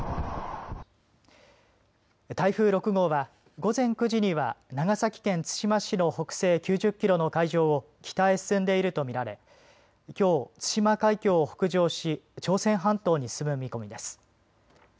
台風６号は午前９時には長崎県対馬市の北西９０キロの海上を北へ進んでいると見られきょう対馬海峡を北上し朝鮮半島に進む見込みです。